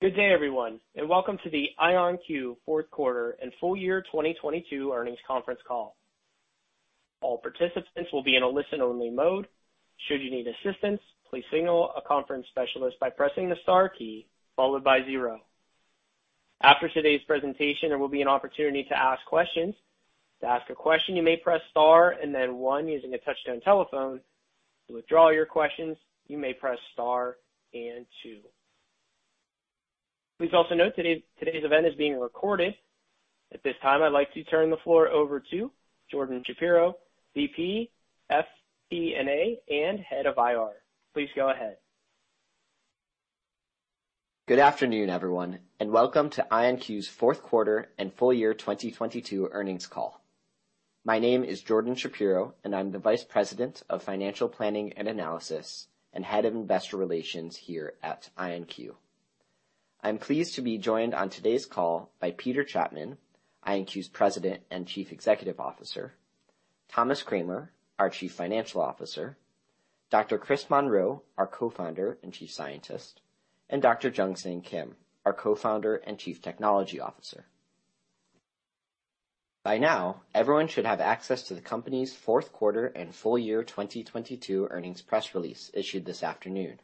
Good day, everyone, and welcome to the IonQ fourth quarter and full year 2022 earnings conference call. All participants will be in a listen-only mode. Should you need assistance, please signal a conference specialist by pressing the star key followed by zero. After today's presentation, there will be an opportunity to ask questions. To ask a question, you may press star and then one using a touch-tone telephone. To withdraw your questions, you may press star and two. Please also note today's event is being recorded. At this time, I'd like to turn the floor over to Jordan Shapiro, VP FP&A, and Head of IR. Please go ahead. Good afternoon, everyone, and welcome to IonQ's fourth quarter and full year 2022 earnings call. My name is Jordan Shapiro, and I'm the Vice President of Financial Planning and Analysis and Head of Investor Relations here at IonQ. I'm pleased to be joined on today's call by Peter Chapman, IonQ's President and Chief Executive Officer, Thomas Kramer, our Chief Financial Officer, Dr. Chris Monroe, our Co-Founder and Chief Scientist, and Dr. Jungsang Kim, our Co-Founder and Chief Technology Officer. By now, everyone should have access to the company's fourth quarter and full year 2022 earnings press release issued this afternoon,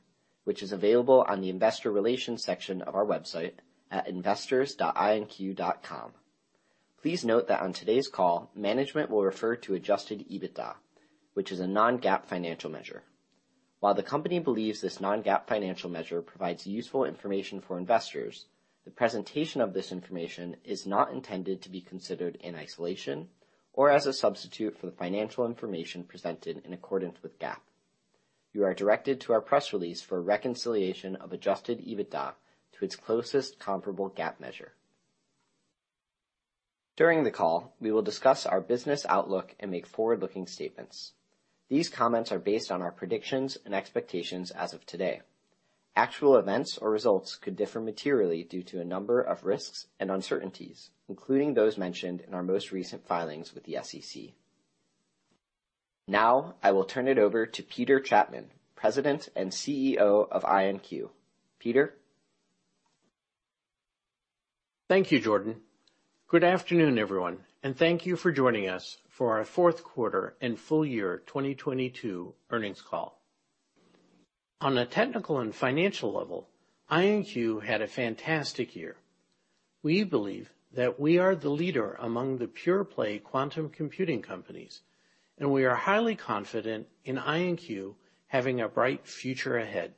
which is available on the Investor Relations section of our website at investors.ionq.com. Please note that on today's call, management will refer to adjusted EBITDA, which is a non-GAAP financial measure. While the company believes this non-GAAP financial measure provides useful information for investors, the presentation of this information is not intended to be considered in isolation or as a substitute for the financial information presented in accordance with GAAP. You are directed to our press release for a reconciliation of adjusted EBITDA to its closest comparable GAAP measure. During the call, we will discuss our business outlook and make forward-looking statements. These comments are based on our predictions and expectations as of today. Actual events or results could differ materially due to a number of risks and uncertainties, including those mentioned in our most recent filings with the SEC. Now, I will turn it over to Peter Chapman, President and CEO of IonQ. Peter? Thank you, Jordan. Good afternoon, everyone, thank you for joining us for our fourth quarter and full year 2022 earnings call. On a technical and financial level, IonQ had a fantastic year. We believe that we are the leader among the pure-play quantum computing companies, and we are highly confident in IonQ having a bright future ahead.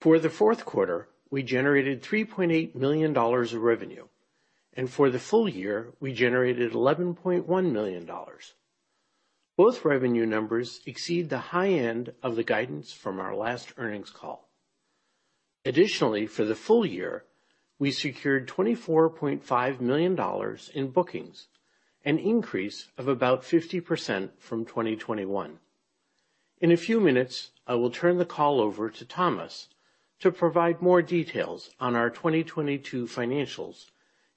For the fourth quarter, we generated $3.8 million of revenue, and for the full year, we generated $11.1 million. Both revenue numbers exceed the high end of the guidance from our last earnings call. Additionally, for the full year, we secured $24.5 million in bookings, an increase of about 50 from 2021. In a few minutes, I will turn the call over to Thomas to provide more details on our 2022 financials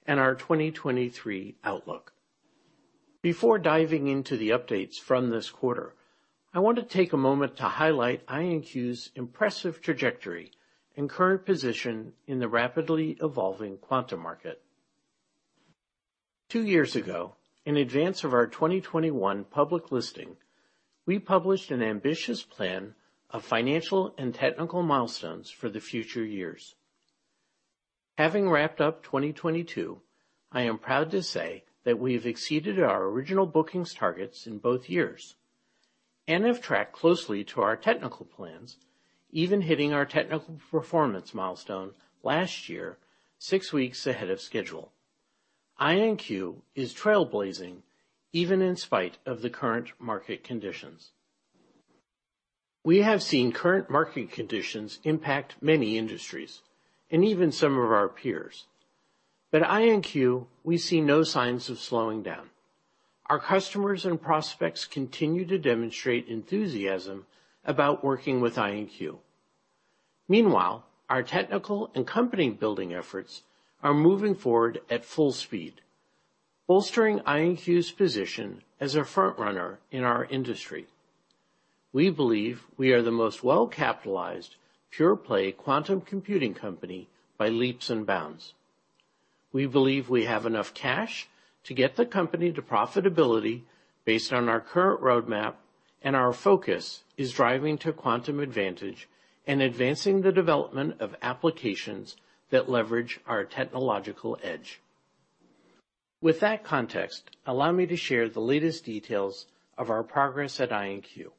and our 2023 outlook. Before diving into the updates from this quarter, I want to take a moment to highlight IonQ's impressive trajectory and current position in the rapidly evolving quantum market. Two years ago, in advance of our 2021 public listing, we published an ambitious plan of financial and technical milestones for the future years. Having wrapped up 2022, I am proud to say that we've exceeded our original bookings targets in both years and have tracked closely to our technical plans, even hitting our technical performance milestone last year, six weeks ahead of schedule. IonQ is trailblazing even in spite of the current market conditions. We have seen current market conditions impact many industries and even some of our peers. IonQ, we see no signs of slowing down. Our customers and prospects continue to demonstrate enthusiasm about working with IonQ. Meanwhile, our technical and company building efforts are moving forward at full speed, bolstering IonQ's position as a front-runner in our industry. We believe we are the most well-capitalized pure-play quantum computing company by leaps and bounds. We believe we have enough cash to get the company to profitability based on our current roadmap, and our focus is driving to quantum advantage and advancing the development of applications that leverage our technological edge. With that context, allow me to share the latest details of our progress at IonQ.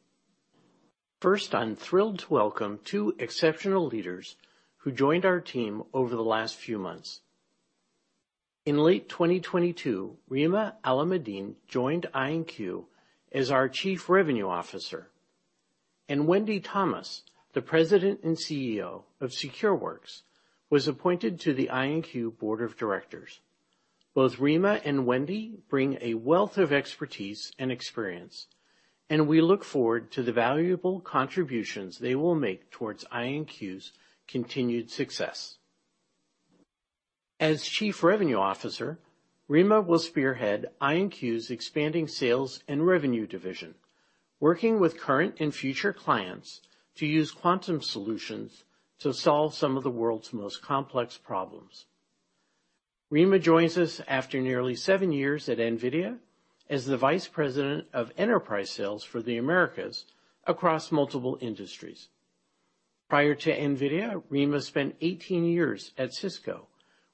First, I'm thrilled to welcome two exceptional leaders who joined our team over the last few months. In late 2022, Rima Alameddine joined IonQ as our Chief Revenue Officer, and Wendy Thomas, the President and CEO of Secureworks, was appointed to the IonQ board of directors. Both Rima and Wendy bring a wealth of expertise and experience, and we look forward to the valuable contributions they will make towards IonQ's continued success. As Chief Revenue Officer, Rima will spearhead IonQ's expanding sales and revenue division, working with current and future clients to use quantum solutions to solve some of the world's most complex problems. Rima joins us after nearly seven years at NVIDIA as the Vice President of Enterprise Sales for the Americas across multiple industries. Prior to NVIDIA, Rima spent 18 years at Cisco,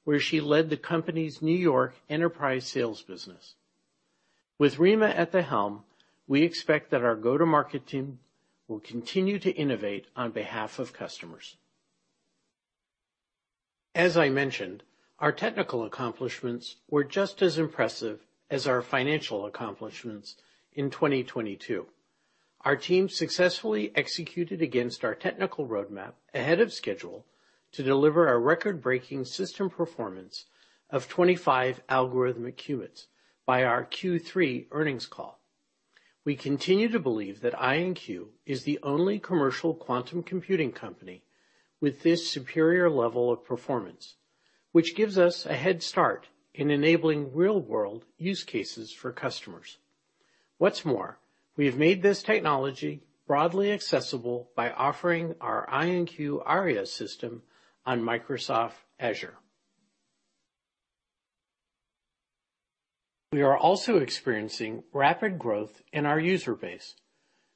where she led the company's New York enterprise sales business. With Rima at the helm, we expect that our go-to-market team will continue to innovate on behalf of customers. As I mentioned, our technical accomplishments were just as impressive as our financial accomplishments in 2022. Our team successfully executed against our technical roadmap ahead of schedule to deliver a record-breaking system performance of 25 algorithmic qubits by our Q3 earnings call. We continue to believe that IonQ is the only commercial quantum computing company with this superior level of performance, which gives us a head start in enabling real-world use cases for customers. We have made this technology broadly accessible by offering our IonQ Aria system on Microsoft Azure. We are also experiencing rapid growth in our user base,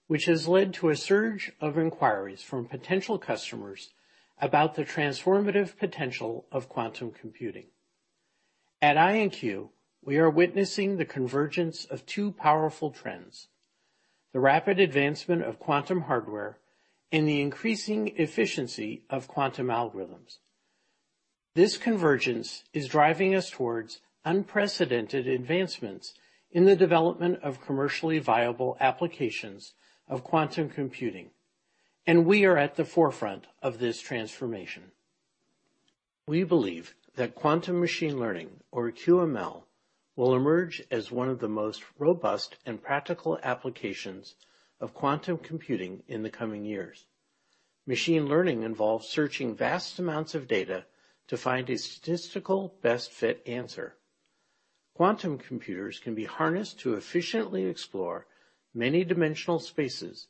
which has led to a surge of inquiries from potential customers about the transformative potential of quantum computing. At IonQ, we are witnessing the convergence of two powerful trends, the rapid advancement of quantum hardware and the increasing efficiency of quantum algorithms. This convergence is driving us towards unprecedented advancements in the development of commercially viable applications of quantum computing, and we are at the forefront of this transformation. We believe that quantum machine learning, or QML, will emerge as one of the most robust and practical applications of quantum computing in the coming years. Machine learning involves searching vast amounts of data to find a statistical best fit answer. Quantum computers can be harnessed to efficiently explore many dimensional spaces,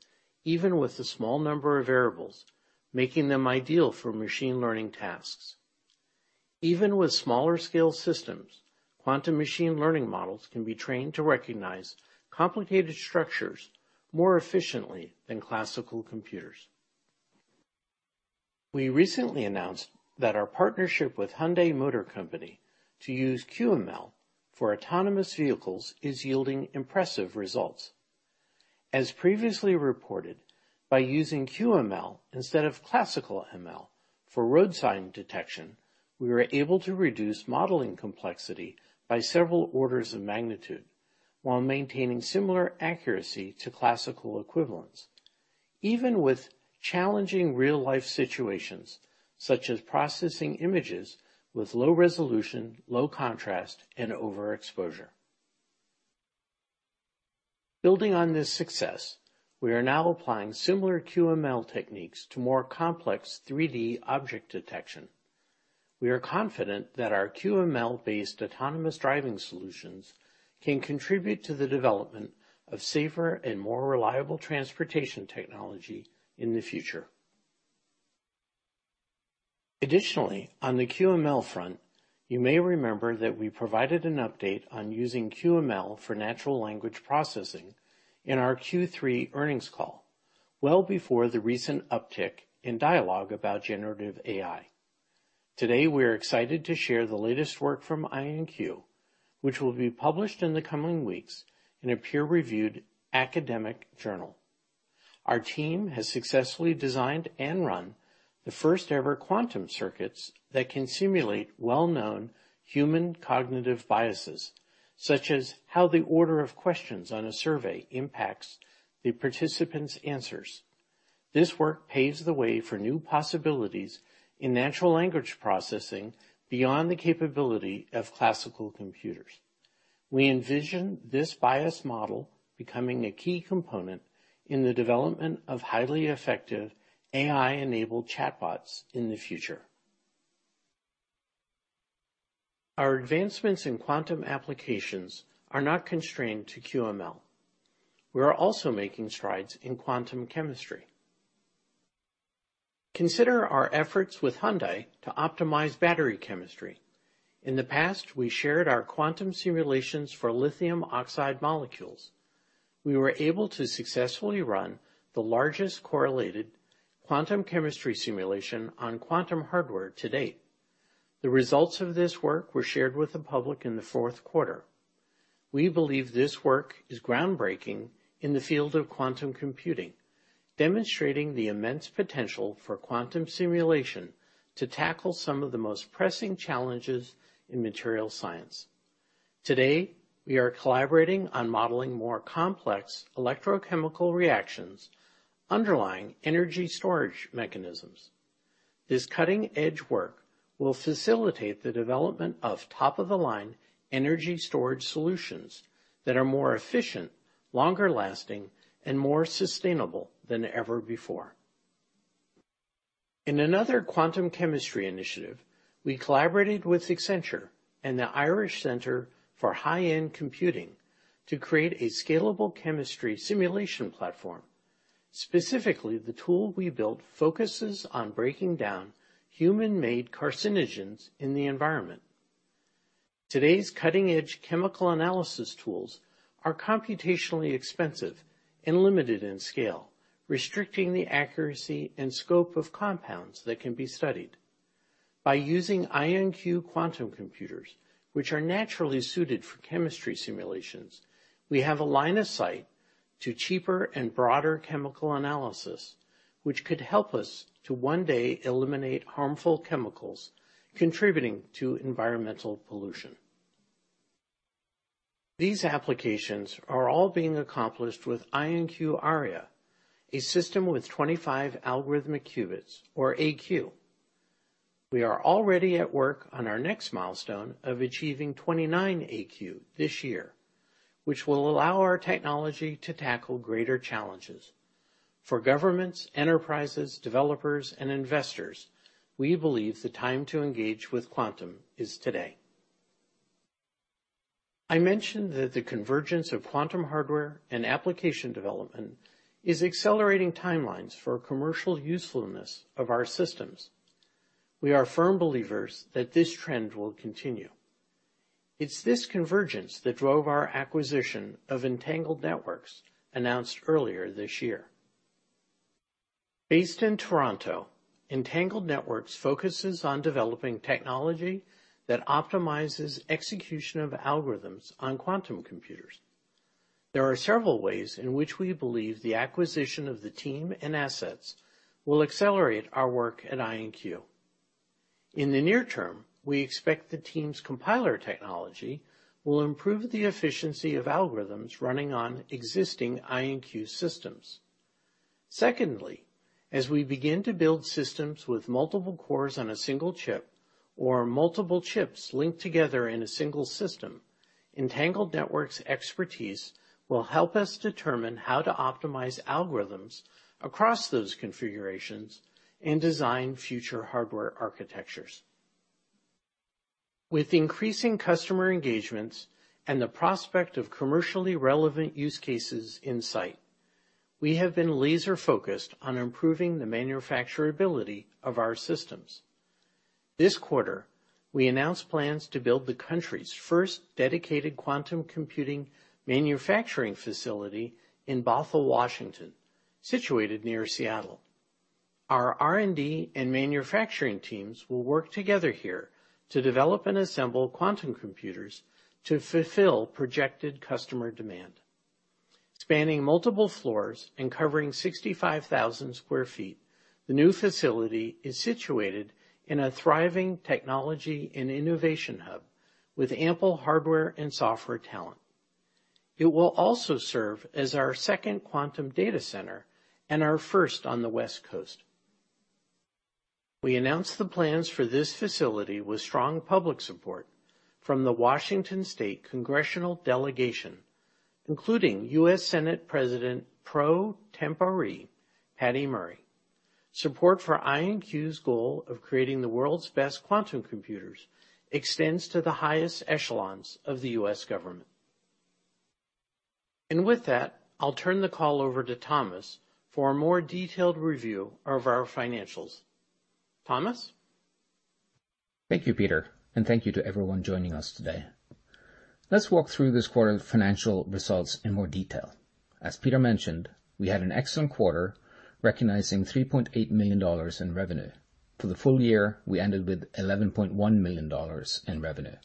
even with a small number of variables, making them ideal for machine learning tasks. Even with smaller scale systems, quantum machine learning models can be trained to recognize complicated structures more efficiently than classical computers. We recently announced that our partnership with Hyundai Motor Co to use QML for autonomous vehicles is yielding impressive results. As previously reported, by using QML instead of classical ML for road sign detection, we were able to reduce modeling complexity by several orders of magnitude while maintaining similar accuracy to classical equivalents, even with challenging real-life situations, such as processing images with low resolution, low contrast, and overexposure. Building on this success, we are now applying similar QML techniques to more complex 3D object detection. We are confident that our QML-based autonomous driving solutions can contribute to the development of safer and more reliable transportation technology in the future. On the QML front, you may remember that we provided an update on using QML for natural language processing in our Q3 earnings call well before the recent uptick in dialogue about generative AI. Today, we are excited to share the latest work from IonQ, which will be published in the coming weeks in a peer-reviewed academic journal. Our team has successfully designed and run the first-ever quantum circuits that can simulate well-known human cognitive biases, such as how the order of questions on a survey impacts the participant's answers. This work paves the way for new possibilities in natural language processing beyond the capability of classical computers. We envision this bias model becoming a key component in the development of highly effective AI-enabled chatbots in the future. Our advancements in quantum applications are not constrained to QML. We are also making strides in quantum chemistry. Consider our efforts with Hyundai to optimize battery chemistry. In the past, we shared our quantum simulations for lithium oxide molecules. We were able to successfully run the largest correlated quantum chemistry simulation on quantum hardware to date. The results of this work were shared with the public in the fourth quarter. We believe this work is groundbreaking in the field of quantum computing, demonstrating the immense potential for quantum simulation to tackle some of the most pressing challenges in material science. Today, we are collaborating on modeling more complex electrochemical reactions underlying energy storage mechanisms. This cutting-edge work will facilitate the development of top-of-the-line energy storage solutions that are more efficient, longer-lasting, and more sustainable than ever before. In another quantum chemistry initiative, we collaborated with Accenture and the Irish Centre for High-End Computing to create a scalable chemistry simulation platform. Specifically, the tool we built focuses on breaking down human-made carcinogens in the environment. Today's cutting-edge chemical analysis tools are computationally expensive and limited in scale, restricting the accuracy and scope of compounds that can be studied. By using IonQ quantum computers, which are naturally suited for chemistry simulations, we have a line of sight to cheaper and broader chemical analysis, which could help us to one day eliminate harmful chemicals contributing to environmental pollution. These applications are all being accomplished with IonQ Aria, a system with 25 algorithmic qubits or AQ. We are already at work on our next milestone of achieving 29 AQ this year, which will allow our technology to tackle greater challenges. For governments, enterprises, developers and investors, we believe the time to engage with quantum is today. I mentioned that the convergence of quantum hardware and application development is accelerating timelines for commercial usefulness of our systems. We are firm believers that this trend will continue. It's this convergence that drove our acquisition of Entangled Networks announced earlier this year. Based in Toronto, Entangled Networks focuses on developing technology that optimizes execution of algorithms on quantum computers. There are several ways in which we believe the acquisition of the team and assets will accelerate our work at IonQ. In the near term, we expect the team's compiler technology will improve the efficiency of algorithms running on existing IonQ systems. Secondly, as we begin to build systems with multiple cores on a single chip or multiple chips linked together in a single system, Entangled Networks expertise will help us determine how to optimize algorithms across those configurations and design future hardware architectures. With increasing customer engagements and the prospect of commercially relevant use cases in sight, we have been laser focused on improving the manufacturability of our systems. This quarter, we announced plans to build the country's first dedicated quantum computing manufacturing facility in Bothell, Washington, situated near Seattle. Our R&D and manufacturing teams will work together here to develop and assemble quantum computers to fulfill projected customer demand. Spanning multiple floors and covering 65,000 sq ft, the new facility is situated in a thriving technology and innovation hub with ample hardware and software talent. It will also serve as our second quantum data center and our first on the West Coast. We announced the plans for this facility with strong public support from the Washington State congressional delegation, including U.S. Senate President pro tempore Patty Murray. Support for IonQ's goal of creating the world's best quantum computers extends to the highest echelons of the U.S. government. With that, I'll turn the call over to Thomas for a more detailed review of our financials. Thomas? Thank you, Peter, and thank you to everyone joining us today. Let's walk through this quarter's financial results in more detail. As Peter mentioned, we had an excellent quarter, recognizing $3.8 million in revenue. For the full year, we ended with $11.1 million in revenue.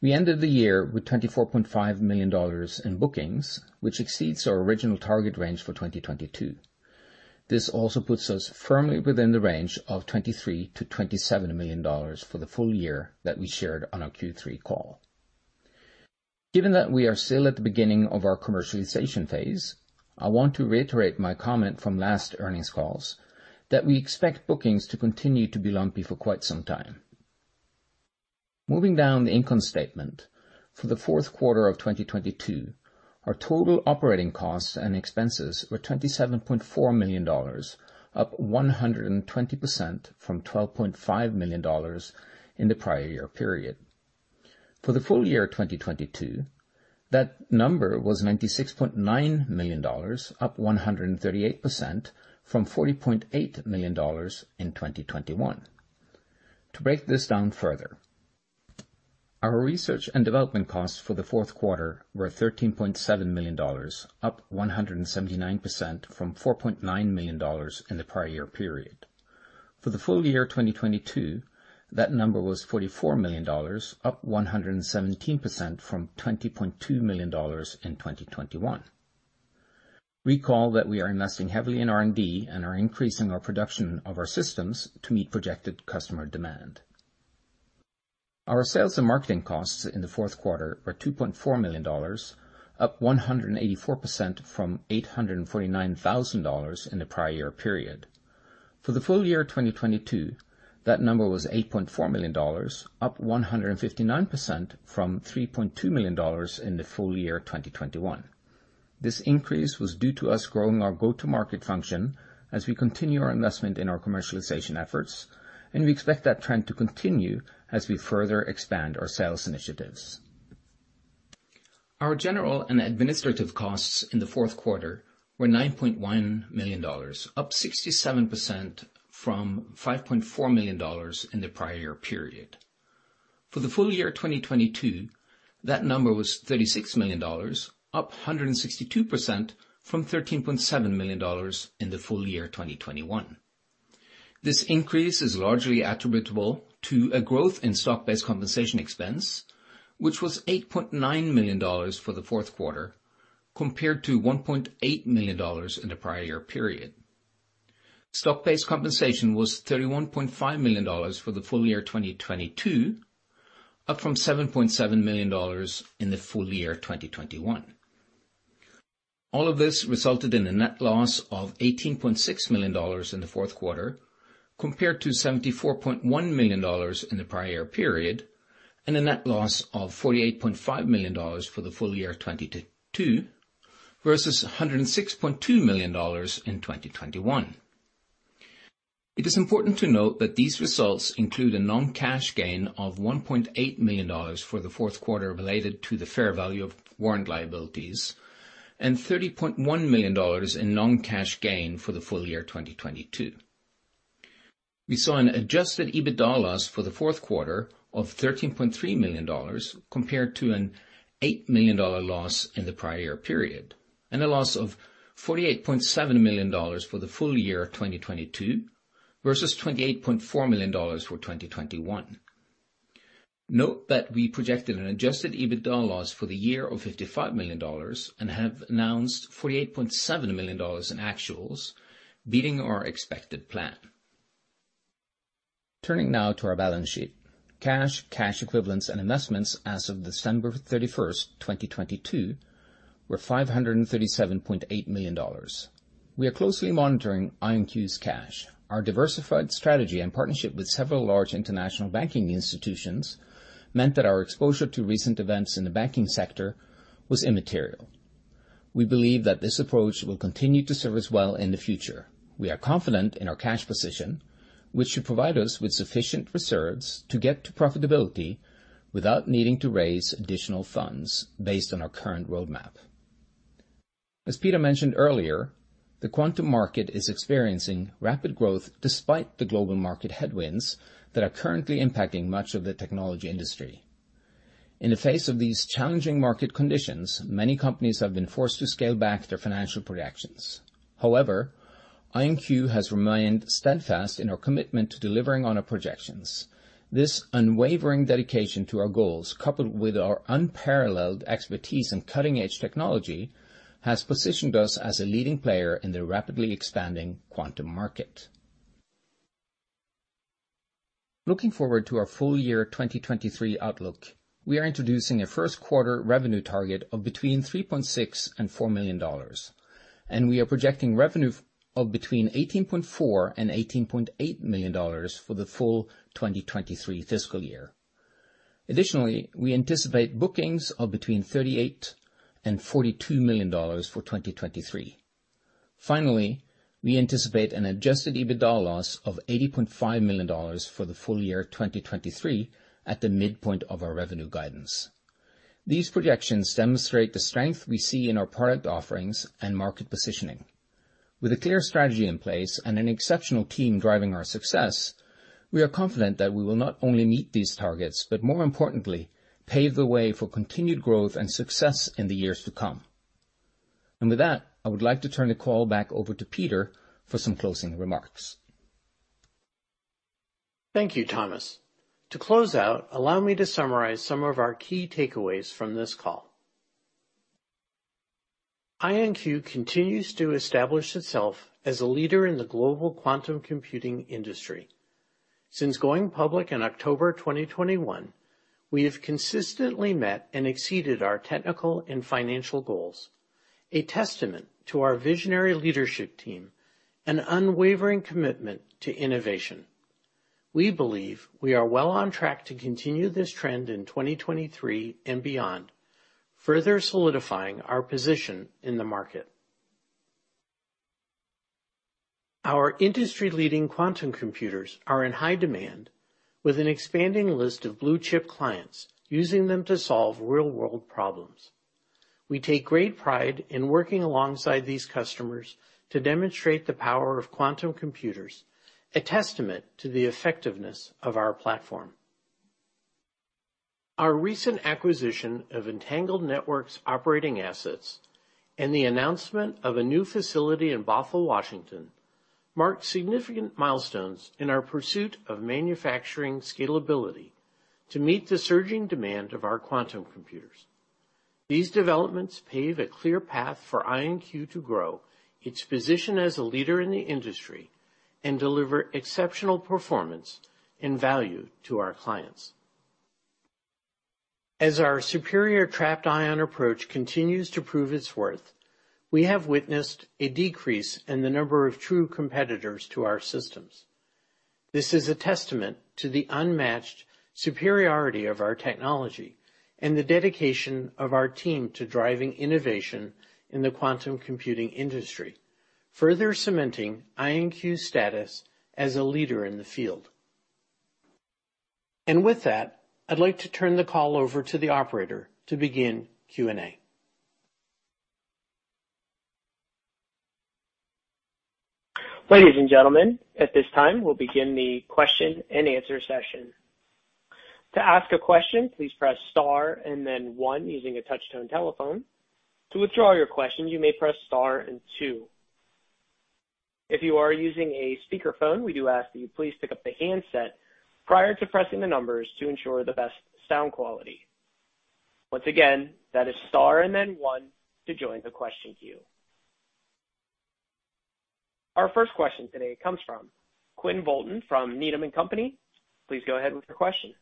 We ended the year with $24.5 million in bookings, which exceeds our original target range for 2022. This also puts us firmly within the range of $23 million-$27 million for the full year that we shared on our Q3 call. Given that we are still at the beginning of our commercialization phase, I want to reiterate my comment from last earnings calls that we expect bookings to continue to be lumpy for quite some time. Moving down the income statement, for the fourth quarter of 2022, our total operating costs and expenses were $27.4 million, up 120% from $12.5 million in the prior year period. For the full year 2022, that number was $96.9 million, up 138% from $40.8 million in 2021. To break this down further, our research and development costs for the fourth quarter were $13.7 million, up 179% from $4.9 million in the prior year period. For the full year 2022, that number was $44 million, up 117% from $20.2 million in 2021. Recall that we are investing heavily in R&D and are increasing our production of our systems to meet projected customer demand. Our sales and marketing costs in the fourth quarter were $2.4 million, up 184% from $849,000 in the prior year period. For the full year of 2022, that number was $8.4 million, up 159% from $3.2 million in the full year 2021. This increase was due to us growing our go-to-market function as we continue our investment in our commercialization efforts. We expect that trend to continue as we further expand our sales initiatives. Our general and administrative costs in the fourth quarter were $9.1 million, up 67% from $5.4 million in the prior period. For the full year 2022, that number was $36 million, up 162% from $13.7 million in the full year 2021. This increase is largely attributable to a growth in stock-based compensation expense, which was $8.9 million for the fourth quarter, compared to $1.8 million in the prior period. Stock-based compensation was $31.5 million for the full year 2022, up from $7.7 million in the full year 2021. All of this resulted in a net loss of $18.6 million in the fourth quarter, compared to $74.1 million in the prior period, and a net loss of $48.5 million for the full year 2022 versus $106.2 million in 2021. It is important to note that these results include a non-cash gain of $1.8 million for the fourth quarter related to the fair value of warrant liabilities and $30.1 million in non-cash gain for the full year 2022. We saw an adjusted EBITDA loss for the fourth quarter of $13.3 million compared to an $8 million loss in the prior period, and a loss of $48.7 million for the full year of 2022 versus $28.4 million for 2021. Note that we projected an adjusted EBITDA loss for the year of $55 million and have announced $48.7 million in actuals, beating our expected plan. Turning now to our balance sheet. Cash, cash equivalents, and investments as of December 31st, 2022 were $537.8 million. We are closely monitoring IonQ's cash. Our diversified strategy and partnership with several large international banking institutions meant that our exposure to recent events in the banking sector was immaterial. We believe that this approach will continue to serve us well in the future. We are confident in our cash position, which should provide us with sufficient reserves to get to profitability without needing to raise additional funds based on our current roadmap. As Peter mentioned earlier, the quantum market is experiencing rapid growth despite the global market headwinds that are currently impacting much of the technology industry. In the face of these challenging market conditions, many companies have been forced to scale back their financial projections. However, IonQ has remained steadfast in our commitment to delivering on our projections. This unwavering dedication to our goals, coupled with our unparalleled expertise in cutting-edge technology, has positioned us as a leading player in the rapidly expanding quantum market. Looking forward to our full year 2023 outlook, we are introducing a first quarter revenue target of between $3.6 million and $4 million, and we are projecting revenue of between $18.4 million and $18.8 million for the full 2023 fiscal year. Additionally, we anticipate bookings of between $38 million and $42 million for 2023. Finally, we anticipate an adjusted EBITDA loss of $80.5 million for the full year of 2023 at the midpoint of our revenue guidance. These projections demonstrate the strength we see in our product offerings and market positioning. With a clear strategy in place and an exceptional team driving our success, we are confident that we will not only meet these targets, but more importantly, pave the way for continued growth and success in the years to come. With that, I would like to turn the call back over to Peter for some closing remarks. Thank you, Thomas. To close out, allow me to summarize some of our key takeaways from this call. IonQ continues to establish itself as a leader in the global quantum computing industry. Since going public in October 2021, we have consistently met and exceeded our technical and financial goals, a testament to our visionary leadership team and unwavering commitment to innovation. We believe we are well on track to continue this trend in 2023 and beyond, further solidifying our position in the market. Our industry-leading quantum computers are in high demand with an expanding list of blue-chip clients using them to solve real-world problems. We take great pride in working alongside these customers to demonstrate the power of quantum computers, a testament to the effectiveness of our platform. Our recent acquisition of Entangled Networks operating assets and the announcement of a new facility in Bothell, Washington, marked significant milestones in our pursuit of manufacturing scalability to meet the surging demand of our quantum computers. These developments pave a clear path for IonQ to grow its position as a leader in the industry and deliver exceptional performance and value to our clients. As our superior trapped ion approach continues to prove its worth, we have witnessed a decrease in the number of true competitors to our systems. This is a testament to the unmatched superiority of our technology and the dedication of our team to driving innovation in the quantum computing industry, further cementing IonQ's status as a leader in the field. With that, I'd like to turn the call over to the operator to begin Q&A. Ladies and gentlemen, at this time, we'll begin the question-and-answer session. To ask a question, please press star and then one using a touch-tone telephone. To withdraw your question, you may press star and two. If you are using a speakerphone, we do ask that you please pick up the handset prior to pressing the numbers to ensure the best sound quality. Once again, that is star and then one to join the question queue. Our first question today comes from Quinn Bolton from Needham & Company. Please go ahead with your question.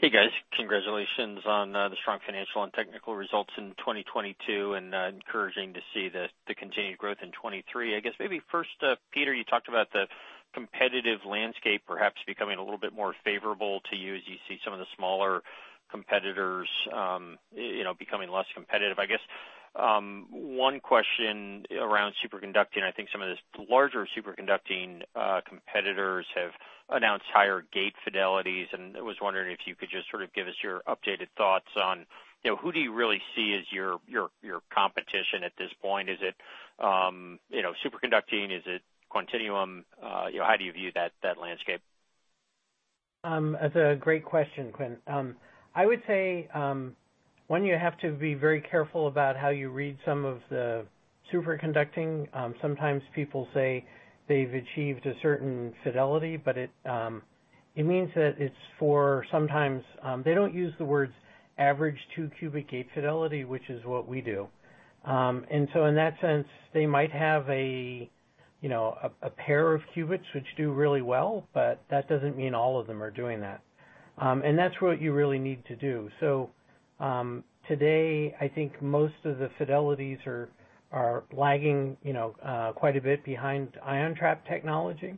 Hey, guys. Congratulations on the strong financial and technical results in 2022. Encouraging to see the continued growth in 2023. I guess maybe first, Peter, you talked about the competitive landscape perhaps becoming a little bit more favorable to you as you see some of the smaller competitors, you know, becoming less competitive. I guess one question around superconducting. I think some of the larger superconducting competitors have announced higher gate fidelities. I was wondering if you could just sort of give us your updated thoughts on, you know, who do you really see as your competition at this point? Is it, you know, superconducting? Is it Quantinuum? You know, how do you view that landscape? That's a great question, Quinn. I would say, one, you have to be very careful about how you read some of the superconducting. Sometimes people say they've achieved a certain fidelity, but it means that it's for sometimes, they don't use the words average 2-qubit gate fidelity, which is what we do. In that sense, they might have a, you know, a pair of qubits which do really well, but that doesn't mean all of them are doing that. That's what you really need to do. Today, I think most of the fidelities are lagging, you know, quite a bit behind ion trap technology,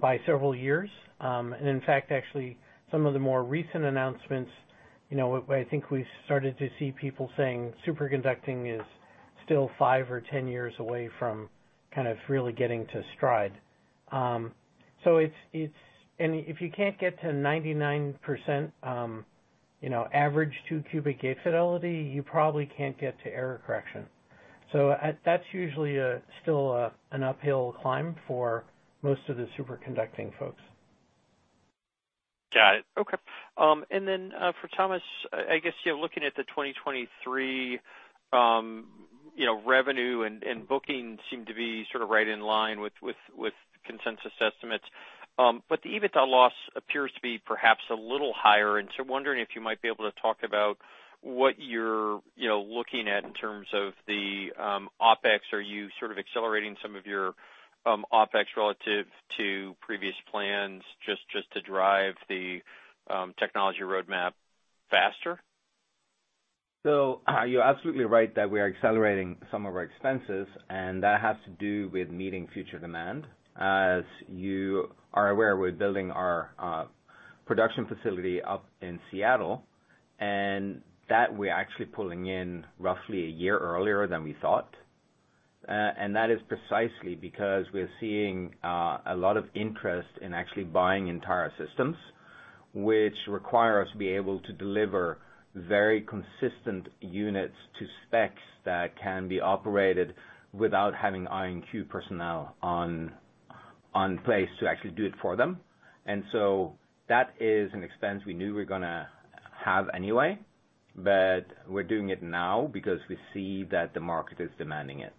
by several years. In fact, actually, some of the more recent announcements, you know, I think we started to see people saying superconducting is still five or 10 years away from kind of really getting to stride. If you can't get to 99%, you know, average 2-qubit gate fidelity, you probably can't get to error correction. That's usually still an uphill climb for most of the superconducting folks. Got it. Okay. For Thomas, I guess, you know, looking at the 2023, you know, revenue and booking seem to be sort of right in line with consensus estimates. The EBITDA loss appears to be perhaps a little higher. Wondering if you might be able to talk about what you're, you know, looking at in terms of the OpEx. Are you sort of accelerating some of your OpEx relative to previous plans just to drive the technology roadmap faster? You're absolutely right that we are accelerating some of our expenses, and that has to do with meeting future demand. As you are aware, we're building our production facility up in Seattle, and that we're actually pulling in roughly a year earlier than we thought. That is precisely because we're seeing a lot of interest in actually buying entire systems, which require us to be able to deliver very consistent units to specs that can be operated without having IonQ personnel on place to actually do it for them. That is an expense we knew we're gonna have anyway, but we're doing it now because we see that the market is demanding it.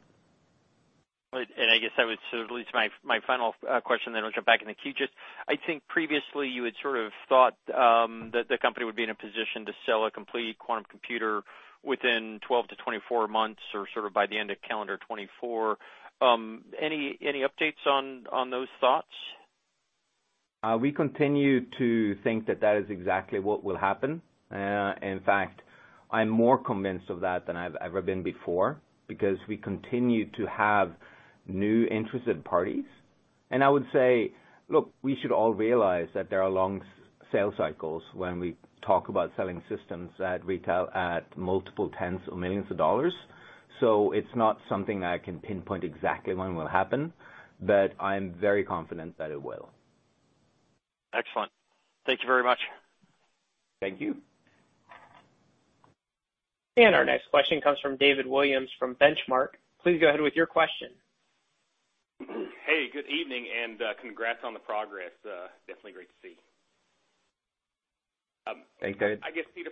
Right. I guess that would sort of lead to my final question, then I'll jump back in the queue. Just I think previously you had sort of thought that the company would be in a position to sell a complete quantum computer within 12 to 24 months or sort of by the end of calendar 2024. Any updates on those thoughts? We continue to think that that is exactly what will happen. In fact, I'm more convinced of that than I've ever been before because we continue to have new interested parties. I would say, look, we should all realize that there are long sales cycles when we talk about selling systems that retail at multiple tens of millions of dollars. It's not something that I can pinpoint exactly when will happen, but I'm very confident that it will. Excellent. Thank you very much. Thank you. Our next question comes from David Williams from Benchmark. Please go ahead with your question. Hey, good evening and congrats on the progress. Definitely great to see. Thanks, David. I guess, Peter,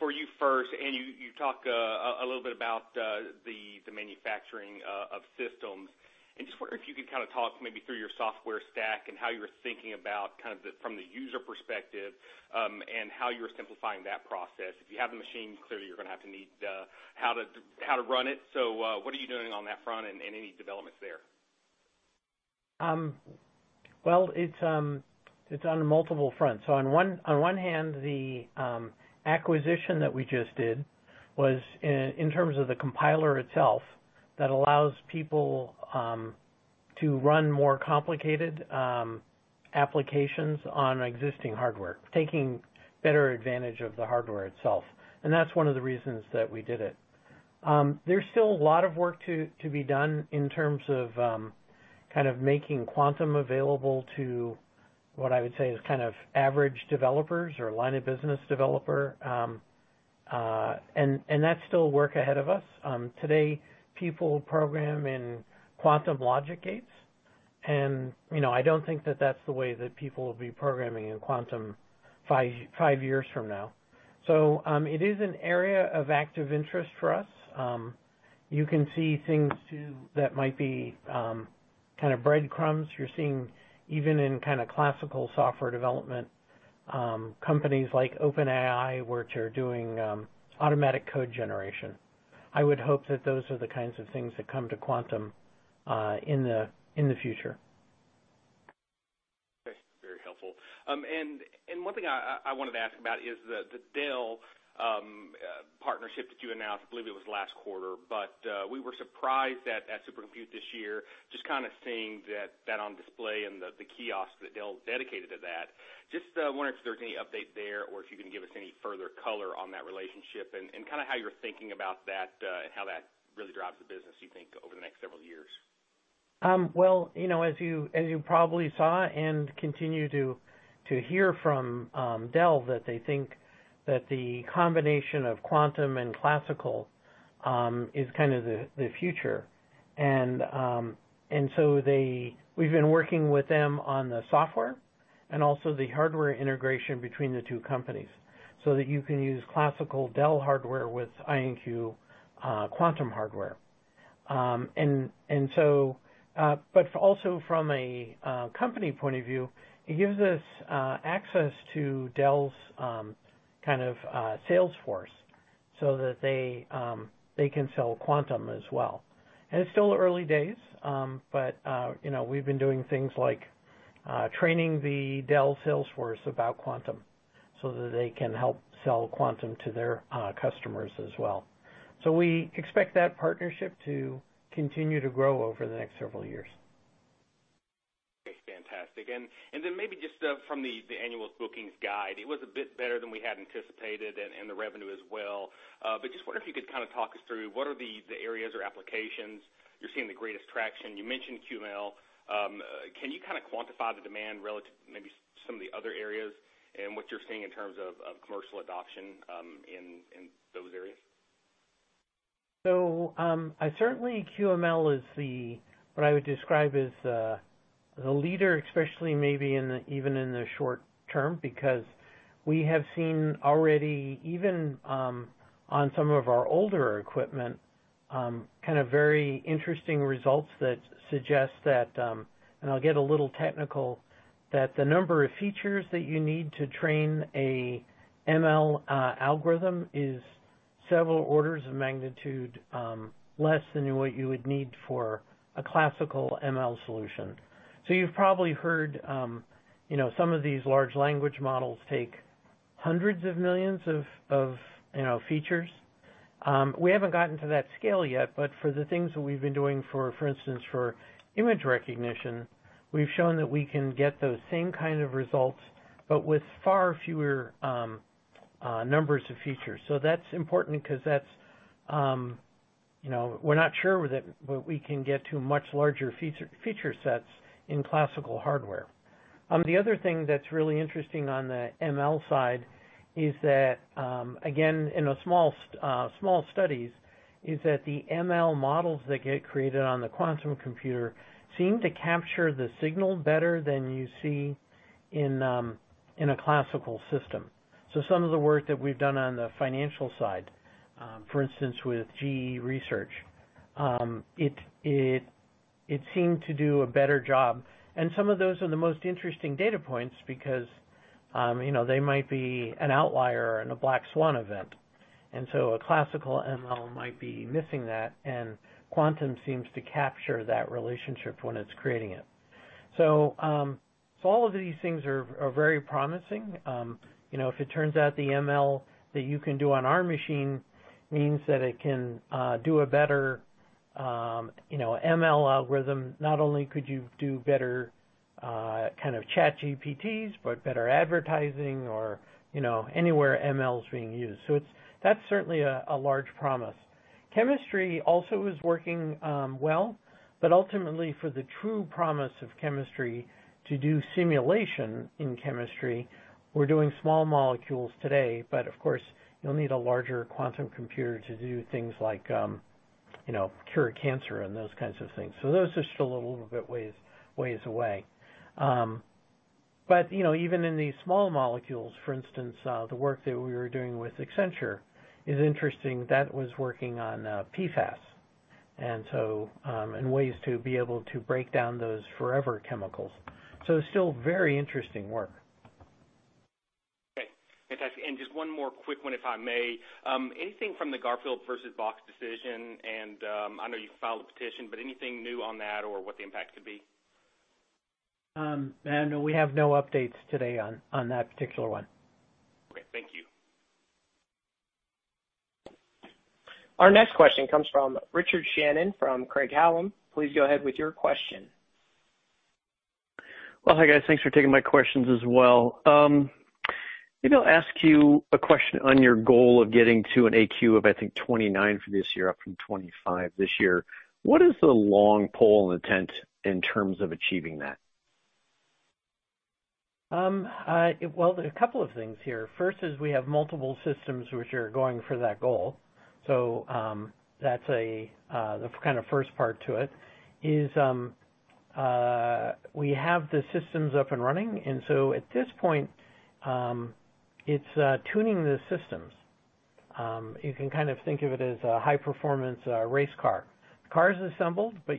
for you first, you talk a little bit about the manufacturing of systems. I just wonder if you could kind of talk maybe through your software stack and how you're thinking about from the user perspective, and how you're simplifying that process. If you have the machine, clearly you're gonna have to need how to run it. What are you doing on that front and any developments there? Well, it's on multiple fronts. On one hand, the acquisition that we just did was in terms of the compiler itself, that allows people to run more complicated applications on existing hardware, taking better advantage of the hardware itself. That's one of the reasons that we did it. There's still a lot of work to be done in terms of kind of making quantum available to what I would say is kind of average developers or line of business developer. That's still work ahead of us. Today, people program in quantum logic gates, and, you know, I don't think that that's the way that people will be programming in quantum five years from now. It is an area of active interest for us. You can see things too that might be kind of breadcrumbs. You're seeing even in kinda classical software development, companies like OpenAI, which are doing automatic code generation. I would hope that those are the kinds of things that come to quantum in the future. Okay. Very helpful. One thing I wanted to ask about is the Dell partnership that you announced, I believe it was last quarter. We were surprised at Supercompute this year, just kinda seeing that on display and the kiosk that Dell dedicated to that. Wondering if there's any update there or if you can give us any further color on that relationship and kinda how you're thinking about that, how that really drives the business, you think, over the next several years? Well, you know, as you, as you probably saw and continue to hear from Dell, that they think that the combination of quantum and classical is kind of the future. We've been working with them on the software and also the hardware integration between the two companies so that you can use classical Dell hardware with IonQ quantum hardware. Also from a company point of view, it gives us access to Dell's kind of sales force so that they they can sell quantum as well. It's still early days, but, you know, we've been doing things like training the Dell sales force about quantum so that they can help sell quantum to their customers as well. We expect that partnership to continue to grow over the next several years. Okay. Fantastic. Then maybe just from the annual bookings guide, it was a bit better than we had anticipated and the revenue as well. Just wonder if you could kinda talk us through what are the areas or applications you're seeing the greatest traction. You mentioned QML. Can you kinda quantify the demand relative maybe some of the other areas and what you're seeing in terms of commercial adoption in those areas? Certainly QML is what I would describe as the leader, especially maybe in the, even in the short term, because we have seen already, even, on some of our older equipment, kind of very interesting results that suggest that, and I'll get a little technical, that the number of features that you need to train a ML algorithm is several orders of magnitude less than what you would need for a classical ML solution. You've probably heard, you know, some of these large language models take hundreds of millions of, you know, features. We haven't gotten to that scale yet, but for the things that we've been doing, for instance, for image recognition, we've shown that we can get those same kind of results, but with far fewer numbers of features. That's important 'cause that's, you know, we're not sure with it, but we can get to much larger feature sets in classical hardware. The other thing that's really interesting on the ML side is that, again, in small studies, is that the ML models that get created on the quantum computer seem to capture the signal better than you see in a classical system. Some of the work that we've done on the financial side, for instance, with GE Research, it seemed to do a better job. Some of those are the most interesting data points because, you know, they might be an outlier in a black swan event. A classical ML might be missing that, and quantum seems to capture that relationship when it's creating it. All of these things are very promising. You know, if it turns out the ML that you can do on our machine means that it can do a better, you know, ML algorithm, not only could you do better, kind of ChatGPTs, but better advertising or, you know, anywhere ML is being used. That's certainly a large promise. Chemistry also is working well, but ultimately, for the true promise of chemistry, to do simulation in chemistry, we're doing small molecules today, but of course, you'll need a larger quantum computer to do things like, you know, cure cancer and those kinds of things. Those are still a little bit ways away. You know, even in these small molecules, for instance, the work that we were doing with Accenture is interesting. That was working on, PFAS, and ways to be able to break down those forever chemicals. It's still very interesting work. Fantastic. Just one more quick one if I may. Anything from the Garfield versus Boxed decision and I know you filed a petition, but anything new on that or what the impact could be? No, we have no updates today on that particular one. Okay, thank you. Our next question comes from Richard Shannon from Craig-Hallum. Please go ahead with your question. Well, hi guys. Thanks for taking my questions as well. Maybe I'll ask you a question on your goal of getting to an AQ of I think 29 for this year, up from 25 this year. What is the long pole in the tent in terms of achieving that? Well, there are a couple of things here. First is we have multiple systems which are going for that goal. That's a, the kind of first part to it, is, we have the systems up and running. At this point, it's, tuning the systems. You can kind of think of it as a high performance, race car. Car's assembled, but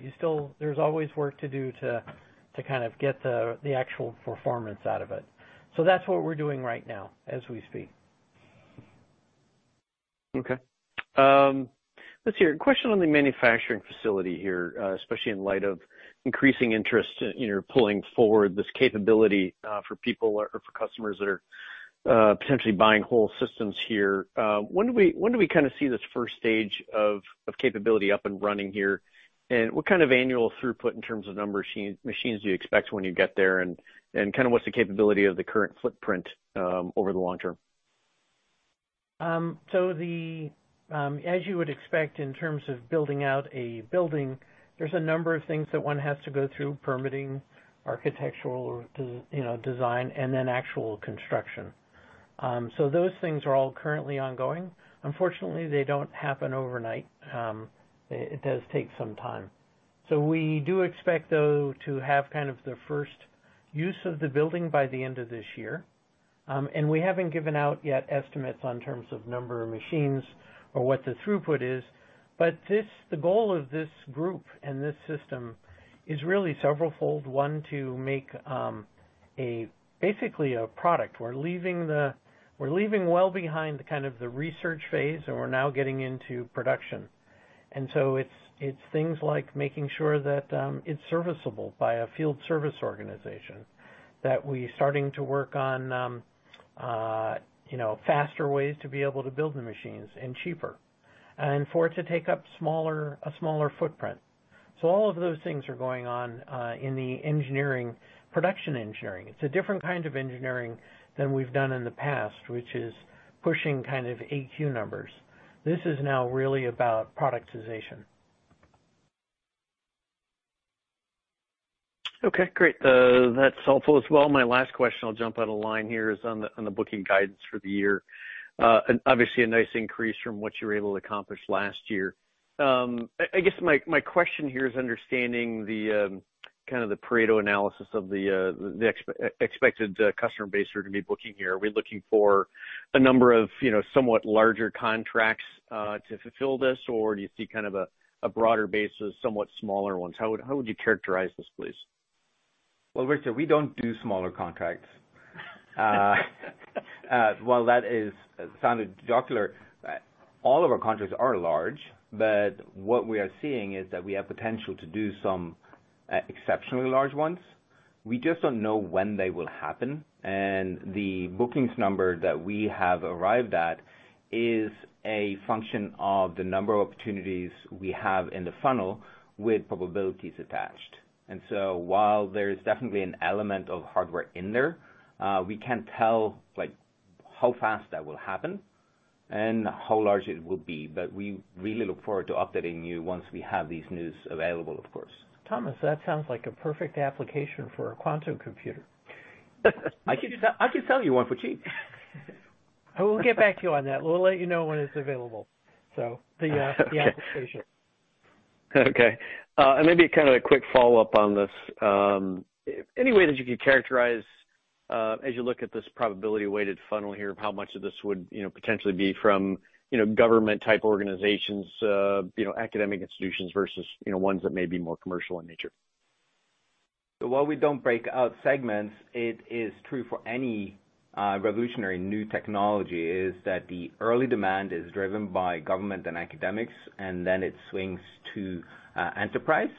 there's always work to do to kind of get the actual performance out of it. That's what we're doing right now as we speak. Okay. Let's see here. A question on the manufacturing facility here, especially in light of increasing interest, you know, pulling forward this capability, for people or for customers that are potentially buying whole systems here. When do we kinda see this first stage of capability up and running here? What kind of annual throughput in terms of number machines do you expect when you get there? Kind of what's the capability of the current footprint over the long term? As you would expect in terms of building out a building, there's a number of things that one has to go through, permitting, architectural, you know, design, and then actual construction. Those things are all currently ongoing. Unfortunately, they don't happen overnight. It does take some time. We do expect, though, to have kind of the first use of the building by the end of this year. We haven't given out yet estimates on terms of number of machines or what the throughput is. The goal of this group and this system is really severalfold. One, to make a basically a product. We're leaving well behind the kind of the research phase, and we're now getting into production. It's, it's things like making sure that it's serviceable by a field service organization. We starting to work on, you know, faster ways to be able to build the machines and cheaper, and for it to take up a smaller footprint. All of those things are going on in the engineering, production engineering. It's a different kind of engineering than we've done in the past, which is pushing kind of AQ numbers. This is now really about productization. Okay, great. That's helpful as well. My last question, I'll jump on a line here, is on the booking guidance for the year. Obviously a nice increase from what you were able to accomplish last year. I guess my question here is understanding the kind of the Pareto analysis of the expected customer base you're gonna be booking here. Are we looking for a number of, you know, somewhat larger contracts to fulfill this? Or do you see kind of a broader base of somewhat smaller ones? How would you characterize this, please? Well, Richard, we don't do smaller contracts. While that is sounded jocular, all of our contracts are large, but what we are seeing is that we have potential to do some exceptionally large ones. We just don't know when they will happen. The bookings number that we have arrived at is a function of the number of opportunities we have in the funnel with probabilities attached. While there is definitely an element of hardware in there, we can't tell, like, how fast that will happen and how large it will be. We really look forward to updating you once we have these news available, of course. Thomas, that sounds like a perfect application for a quantum computer. I can sell you one for cheap. We'll get back to you on that. We'll let you know when it's available. The application. Okay. Maybe kind of a quick follow-up on this. Any way that you could characterize, as you look at this probability weighted funnel here, how much of this would, you know, potentially be from, you know, government type organizations, you know, academic institutions versus, you know, ones that may be more commercial in nature? While we don't break out segments, it is true for any revolutionary new technology, is that the early demand is driven by government and academics, and then it swings to enterprise.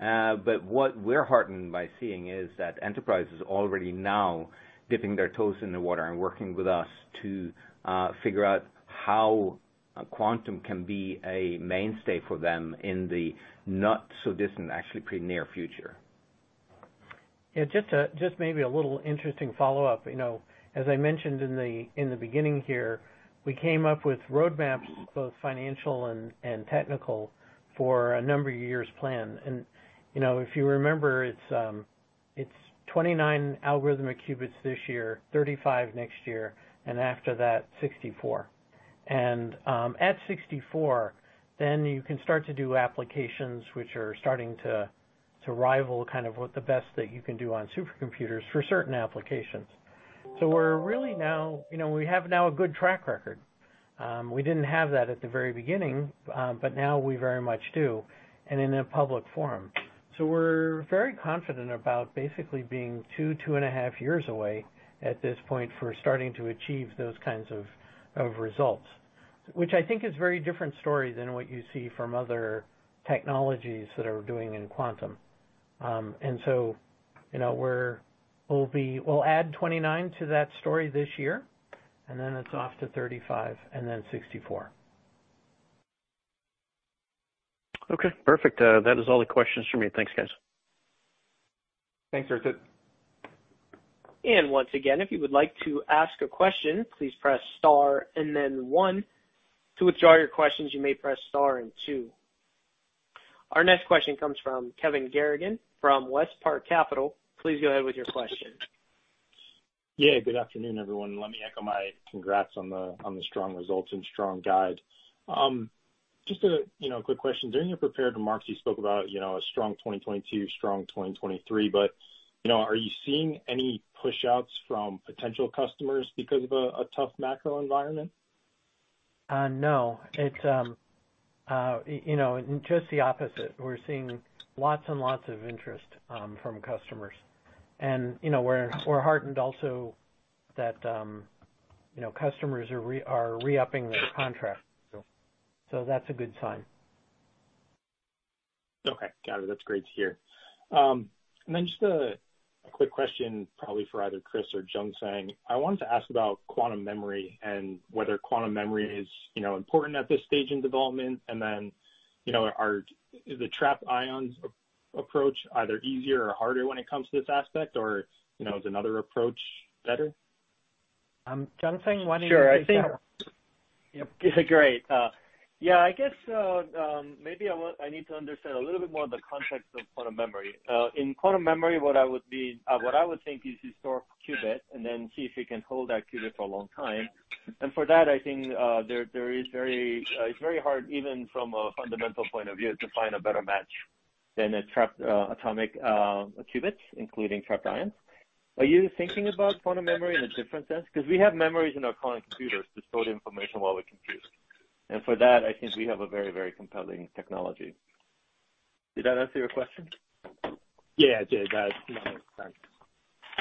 What we're heartened by seeing is that enterprise is already now dipping their toes in the water and working with us to figure out how a quantum can be a mainstay for them in the not so distant, actually pretty near future. Yeah, just maybe a little interesting follow-up. You know, as I mentioned in the, in the beginning here, we came up with roadmaps, both financial and technical, for a number of years plan. You know, if you remember, it's 29 algorithmic qubits this year, 35 next year, and after that, 64. At 64, then you can start to do applications which are starting to rival kind of what the best that you can do on supercomputers for certain applications. We're really now, you know, we have now a good track record. We didn't have that at the very beginning, but now we very much do, and in a public forum. We're very confident about basically being 2.5 years away at this point for starting to achieve those kinds of results, which I think is very different story than what you see from other technologies that are doing in quantum. You know, we'll add 29 to that story this year, and then it's off to 35 and then 64. Okay, perfect. That is all the questions for me. Thanks, guys. Thanks, Richard. Once again, if you would like to ask a question, please press star and then one. To withdraw your questions, you may press star and two. Our next question comes from Kevin Garrigan from WestPark Capital. Please go ahead with your question. Yeah, good afternoon, everyone. Let me echo my congrats on the strong results and strong guide. Just a, you know, quick question. During your prepared remarks, you spoke about, you know, a strong 2022, strong 2023, you know, are you seeing any pushouts from potential customers because of a tough macro environment? No. It's, you know, just the opposite. We're seeing lots and lots of interest from customers. You know, we're heartened also that, you know, customers are re-upping their contracts, that's a good sign. Okay. Got it. That's great to hear. Just a quick question probably for either Chris or Jungsang. I wanted to ask about quantum memory and whether quantum memory is, you know, important at this stage in development. You know, is the trapped ions approach either easier or harder when it comes to this aspect or, you know, is another approach better? Jungsang, why don't you take that one? Sure. Yep. Great. Yeah, I guess, maybe I need to understand a little bit more of the context of quantum memory. In quantum memory, what I would be, what I would think is historic qubit, and then see if it can hold that qubit for a long time. For that, I think, there is very, it's very hard, even from a fundamental point of view, to find a better match than a trapped, atomic, qubits, including trapped ions. Are you thinking about quantum memory in a different sense? 'Cause we have memories in our quantum computers to store the information while we compute. For that, I think we have a very, very compelling technology. Did that answer your question? Yeah, it did. That's makes sense.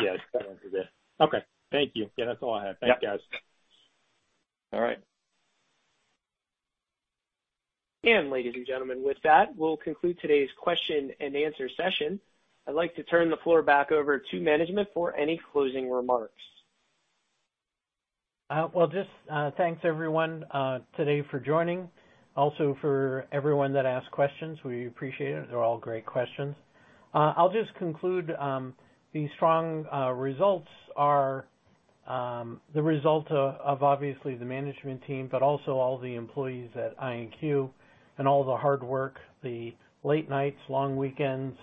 Yeah, that answers it. Okay. Thank you. Yeah, that's all I have. Yep. Thanks, guys. All right. Ladies and gentlemen, with that, we'll conclude today's question-and-answer session. I'd like to turn the floor back over to management for any closing remarks. Well, just thanks everyone today for joining. For everyone that asked questions, we appreciate it. They're all great questions. I'll just conclude, the strong results are the result of obviously the management team, but also all the employees at IonQ and all the hard work, the late nights, long weekends.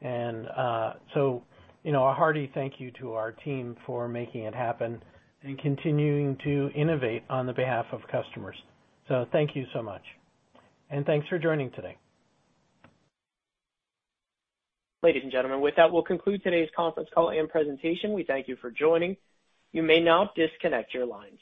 You know, a hearty thank you to our team for making it happen and continuing to innovate on the behalf of customers. Thank you so much, and thanks for joining today. Ladies and gentlemen, with that, we'll conclude today's conference call and presentation. We thank you for joining. You may now disconnect your lines.